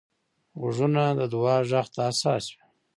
غوږونه د دعا غږ ته حساس وي